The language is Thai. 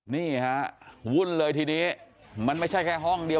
นี่ฮะวุ่นเลยทีนี้มันไม่ใช่แค่ห้องเดียว